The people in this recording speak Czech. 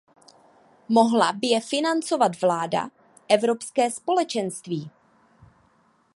Mohla by je financovat vláda, Evropské společenství?